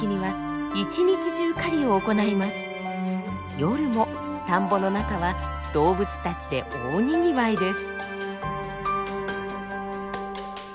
夜も田んぼの中は動物たちで大にぎわいです。